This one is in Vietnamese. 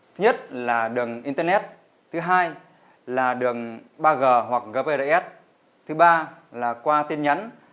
thứ nhất là đường internet thứ hai là đường ba g hoặc gps thứ ba là qua tin nhắn